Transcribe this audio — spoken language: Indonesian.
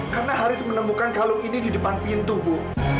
karena haris menemukan kalung ini di depan pintu bu